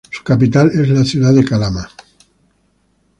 Su capital es la ciudad de Calama.